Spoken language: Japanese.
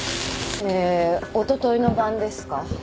えーおとといの晩ですか。